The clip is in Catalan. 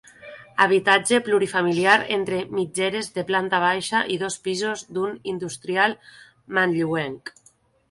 Habitatge plurifamiliar entre mitgeres de planta baixa i dos pisos d'un industrial manlleuenc.